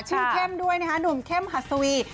ชื่อเข้มด้วยนะครับหนุ่มเข้มฮัสตวี